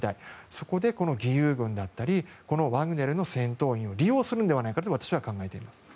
そこで、この義勇軍だったりこのワグネルの戦闘員を利用するのではないかと私は考えています。